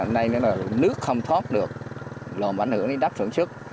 nên là nước không thoát được lồn bảnh hưởng đến đất sản xuất